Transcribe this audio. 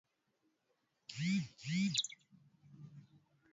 Idadi ya juu ya kupe baada ya msimu mrefu wa mvua